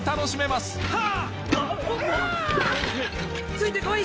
ついて来い！